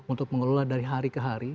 untuk mengelola dari hari ke hari